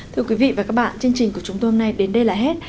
thưa quý vị và các bạn chương trình của chúng tôi hôm nay đến đây là hết